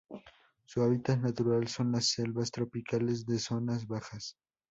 Su hábitat natural son las selvas tropicales de zonas bajas.